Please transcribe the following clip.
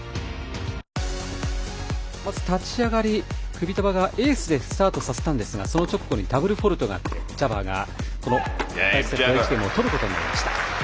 まず立ち上がり、クビトバがエースでスタートさせたんですがその直後にダブルフォールトがあってジャバーが、この第１ゲームを取ることになりました。